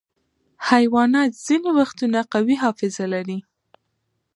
حیوانات ځینې وختونه قوي حافظه لري.